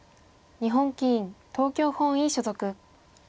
日本棋院東京本院所属。